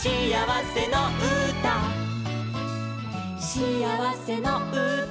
「しあわせのうた」